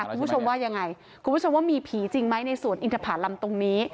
คุณผู้ชมว่ายังไงคุณผู้ชมว่ามีผีจริงไหมในสวนอินทภารำตรงนี้